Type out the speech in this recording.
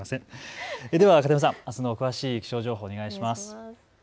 では片山さん、あすの詳しい気象情報をお願いします。